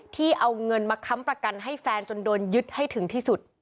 ที่เอาเงินมาค้ำประกันให้แฟนจนโดนยึดให้ถึงที่สุด